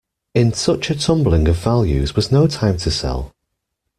In such a tumbling of values was no time to sell.